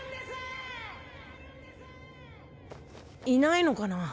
いないのかな？